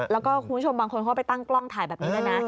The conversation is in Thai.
แล้วก็คุณผู้ชมบางคนเขาไปตั้งกล้องถ่ายแบบนี้ด้วยนะ